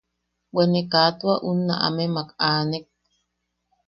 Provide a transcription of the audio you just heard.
Bwe ne kaa tua unna amemak aanek.